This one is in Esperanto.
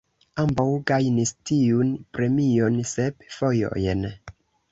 Ambaŭ gajnis tiun premion sep fojojn.